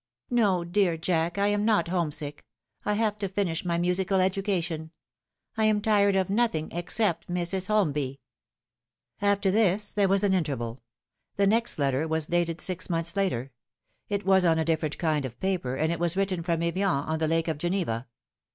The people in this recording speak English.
" No, dear Jack, I am not home sick. I have to finish my musical education. I am tired of nothing, except Mrs. Holmby." After this there was an interval. The next letter was dated six months later. It was on a different kind of paper, and it was written from Evian, on the Lake of Geneva.